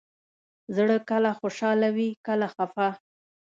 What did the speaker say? زړه کله خوشحاله وي، کله خفه.